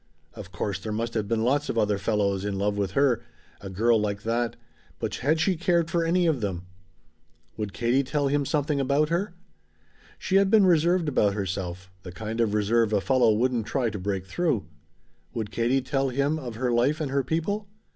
Of course there must have been lots of other fellows in love with her a girl like that but had she cared for any of them? Would Katie tell him something about her? She had been reserved about herself the kind of reserve a fellow wouldn't try to break through. Would Katie tell him of her life and her people?